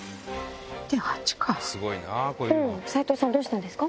斉藤さんどうしたんですか？